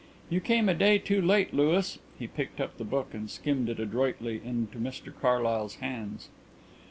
You came a day too late, Louis." He picked up the book and skimmed it adroitly into Mr Carlyle's hands.